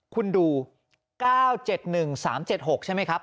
คุณดู๙๗๑๓๗๖ใช่ไหมครับ